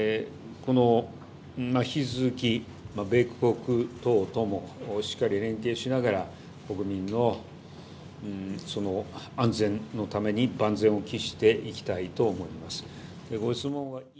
引き続き米国等ともしっかり連携しながら国民の安全のために万全を期していきたいと思います。